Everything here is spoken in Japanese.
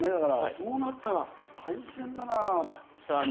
そうなったら大変だな。